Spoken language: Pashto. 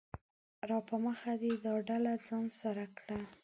راپه مخه مې دا ډله ځان سره کړه